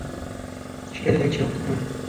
সেটাই তো দেখছি, অপেক্ষা কর।